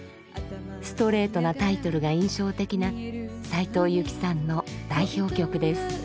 ストレートなタイトルが印象的な斉藤由貴さんの代表曲です。